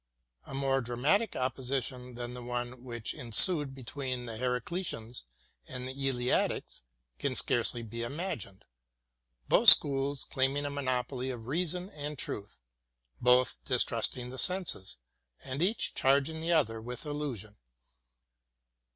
A more dramatic opposition than the one which ensued between the Heracliteans and the Eleatics can scarcely be imagined — both schools claiming a monopoly of reason and truth, both distrusting the senses, and each charging the other with illusion.